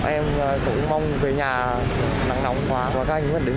em cũng mong về nhà nắng nóng và các anh cũng đứng vào đường